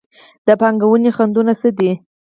د پانګونې خنډونه څه دي؟